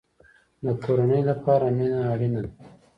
د کورنۍ لپاره مینه اړین ده